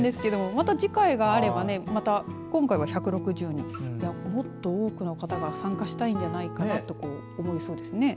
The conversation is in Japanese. また次回があれば今回は１６０人もっと多くの方が参加したいんじゃないかなと思いますね。